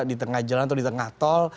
di tengah jalan atau di tengah tol